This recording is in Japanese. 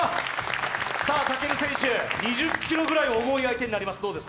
武尊選手、２０ｋｇぐらい重い相手になります。